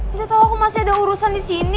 udah tau aku masih ada urusan disini